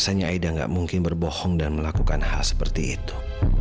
biasanya aida tidak mungkin berbohong dan melakukan hal seperti itu